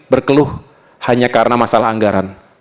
berkeluh hanya karena masalah anggaran